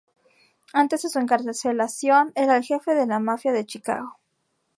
Antes de su encarcelación era el jefe de la mafia de Chicago.